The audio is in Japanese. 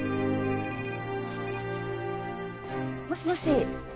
もしもし？